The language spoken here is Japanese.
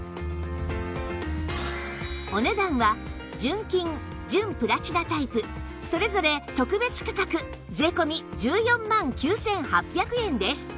お値段は純金純プラチナタイプそれぞれ特別価格税込１４万９８００円です